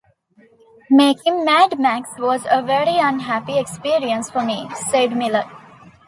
"Making "Mad Max" was a very unhappy experience for me," said Miller.